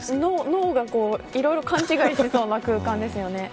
脳がいろいろ勘違いしちゃいそうな空間ですよね。